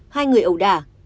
hai người ẩu đà